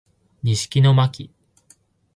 西木野真姫